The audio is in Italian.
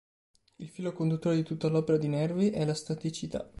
Il filo conduttore di tutta l'opera di Nervi è la staticità.